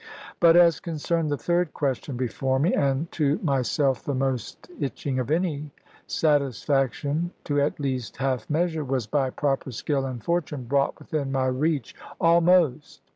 But as concerned the third question before me (and to myself the most itching of any), satisfaction, to at least half measure, was by proper skill and fortune brought within my reach almost.